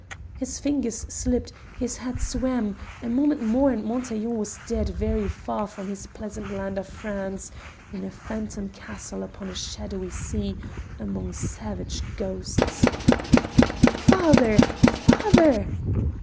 His fingers slipped, his head swam; a moment more, and a Montaiglon was dead very far from his pleasant land of France, in a phantom castle upon a shadowy sea among savage ghosts. "Father! father!"